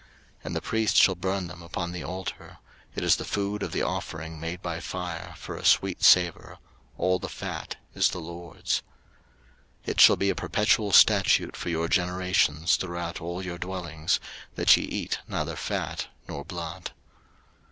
03:003:016 And the priest shall burn them upon the altar: it is the food of the offering made by fire for a sweet savour: all the fat is the LORD's. 03:003:017 It shall be a perpetual statute for your generations throughout all your dwellings, that ye eat neither fat nor blood.